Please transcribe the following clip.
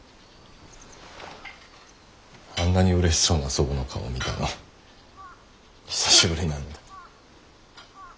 あんなに嬉しそうな祖母の顔見たの久しぶりなんで。